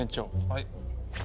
はい。